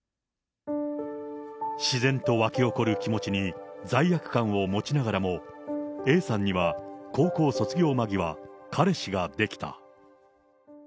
自然と沸き起こる気持ちに罪悪感を持ちながらも、Ａさんには高校卒業間際、彼氏ができた。